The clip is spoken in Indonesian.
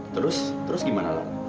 terus terus gimana